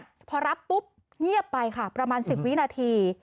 พอรับปุ๊บเงียบไปค่ะประมาณ๑๐วินาที